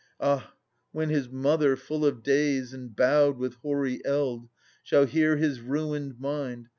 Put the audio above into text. Ah! when his mother, full of days and bowed With hoary eld, shall hear his ruined mind.